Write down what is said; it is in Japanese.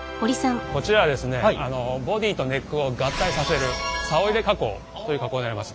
こちらはですねボディーとネックを合体させる棹入れ加工という加工になります。